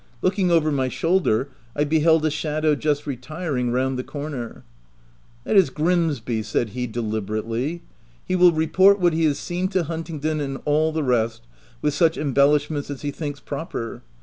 Looking over my shoulder, I beheld a shadow just retiring round the corner. "That is Grimsby," said he deliberately. " He will report what he has seen to Hunting don and all the rest, with such embellish ments as he thinks proper.